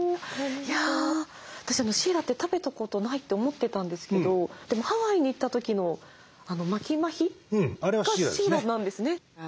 いや私シイラって食べたことないって思ってたんですけどでもハワイに行った時のマヒマヒがシイラなんですね。